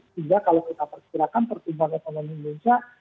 sehingga kalau kita perkirakan pertumbuhan ekonomi indonesia